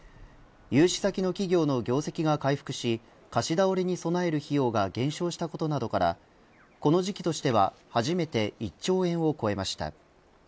融資先の企業の業績が回復し貸し倒れに備える費用が減少したことなどからこの時期としては初めて１兆円を超えました。